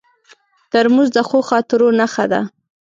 ترموز د ښو خاطرو نښه ده.